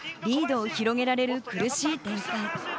リードを広げられる苦しい展開。